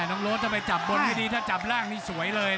โดนอย่างงี้ดีถ้าจับล่างนี่สวยเลยนะ